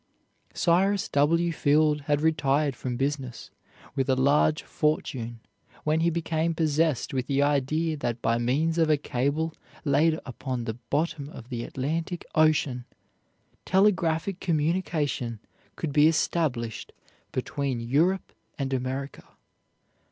Cyrus W. Field had retired from business with a large fortune when he became possessed with the idea that by means of a cable laid upon the bottom of the Atlantic Ocean, telegraphic communication could be established between Europe and America.